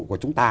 của chúng ta